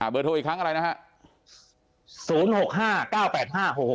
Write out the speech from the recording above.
เบอร์โทรอีกครั้งอะไรนะฮะ